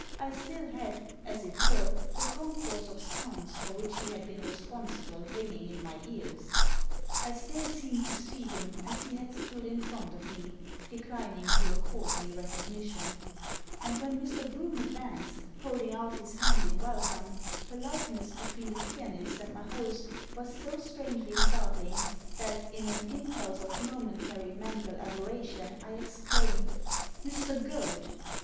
I still had, as it were, the concourse of sounds for which he had been responsible ringing in my ears. I still Digitized by VjOOQIC 230 THE SEEN AND THE UNSEEN seemed to see him as he had stood in front of me, declining to accord me recognition. And when Mr. Groome advanced, holding out his hand in welcome, the likeness between the pianist and my host was so strangely startling that, in an impulse of momentaiy mental aberration, I exclaimed — •Mr. Goad!"